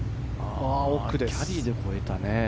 キャリーで越えたね。